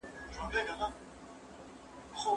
د لويي جرګې د مشر دفتر چېرته دی؟